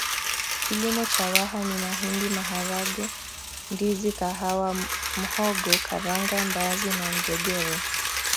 Kilimo cha Waha ni mahindi maharage ndizi kahawa mhogo karanga mbaazi na njegere